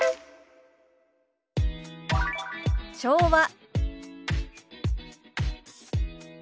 「昭和」。